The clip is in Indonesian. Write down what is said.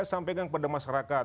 jadi saya sampaikan kepada masyarakat